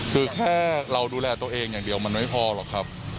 คือแค่เราดูแลตัวเองอย่างเดียวมันไม่พอหรอกครับ